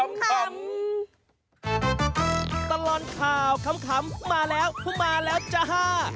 ตลอดข่าวขำมาแล้วมาแล้วจ้าฮ่า